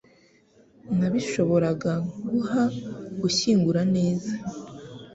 Ntibashoboraga guha gushyingura neza.